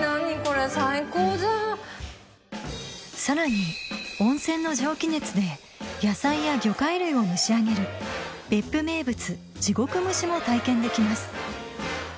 さらに温泉の蒸気熱で野菜や魚介類を蒸し上げる別府名物地獄蒸しも体験できます